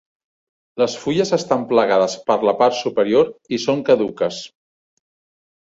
Les fulles estan plegades per la part superior i són caduques.